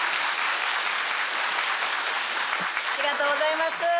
ありがとうございます。